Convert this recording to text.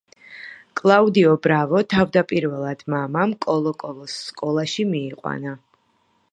კლაუდიო ბრავო თავდაპირველად მამამ „კოლო-კოლოს“ სკოლაში მიიყვანა.